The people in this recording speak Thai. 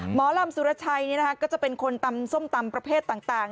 หมอลำสุรชัยเนี่ยนะคะก็จะเป็นคนตำส้มตำประเภทต่างต่าง